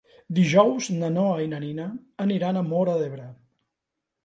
Dijous na Noa i na Nina aniran a Móra d'Ebre.